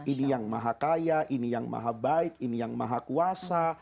ini yang maha kaya ini yang maha baik ini yang maha kuasa